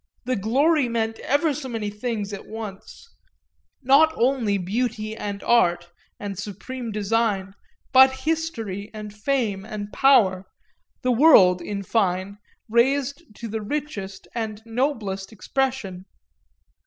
The glory meant ever so many things at once, not only beauty and art and supreme design, but history and fame and power, the world in fine raised to the richest and noblest expression.